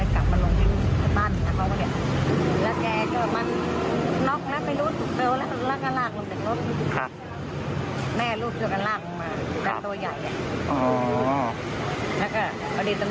กลับมาลงที่บ้านแล้วเขาก็เห็น